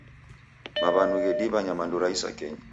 Maw'anu ghediw'a nyamandu ra isakenyi.